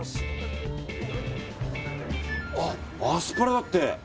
アスパラだって。